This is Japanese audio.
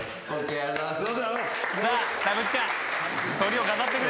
ありがとうございます。